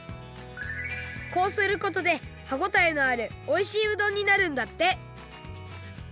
こうすることで歯ごたえのあるおいしいうどんになるんだって！